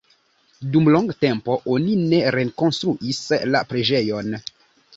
Dum longa tempo oni ne rekonstruis la preĝejon.